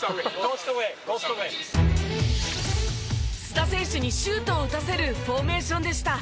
須田選手にシュートを打たせるフォーメーションでした。